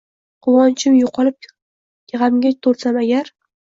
Quvonchim yuqolib gamga tulsam gar